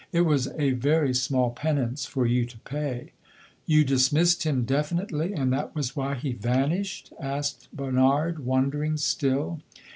"It was a very small penance for you to pay." "You dismissed him definitely, and that was why he vanished?" asked Bernard, wondering still.